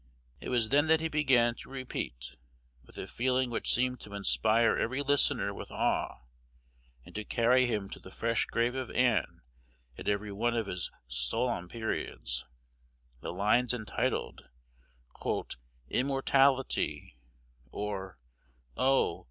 It was then that he began to repeat, with a feeling which seemed to inspire every listener with awe, and to carry him to the fresh grave of Ann at every one of his solemn periods, the lines entitled, "Immortality; or, Oh!